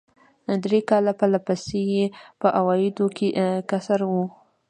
درې کاله پر له پسې یې په عوایدو کې کسر و.